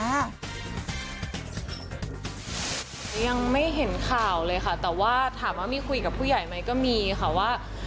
ยังไม่เห็นข่าวเลยค่ะแต่ว่าถามว่ามีคุยกับผู้ใหญ่ไหมก็มีค่ะว่า